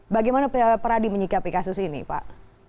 bagaimana peradi menyikapi kasus ini pak